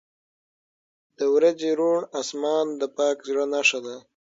• د ورځې روڼ آسمان د پاک زړه نښه ده.